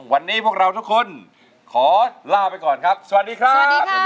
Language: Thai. วันนี้พวกเราทุกคนขอลาไปก่อนครับสวัสดีครับ